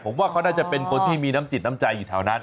ผมว่าเขาน่าจะเป็นคนที่มีน้ำจิตน้ำใจอยู่แถวนั้น